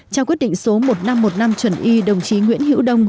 trao quyết định số một nghìn năm trăm một mươi năm chuẩn y đồng chí nguyễn hữu đông